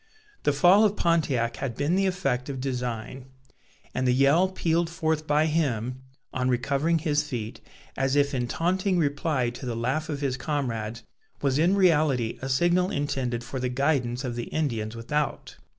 The fall of Pontiac had been the effect of design; and the yell pealed forth by him, on recovering his feet, as if in taunting reply to the laugh of his comrades, was in reality a signal intended for the guidance of the Indians without.